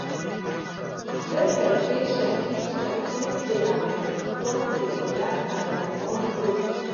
ځکه چې شهید شفیق د افغانستان د ملت قهرمان وو.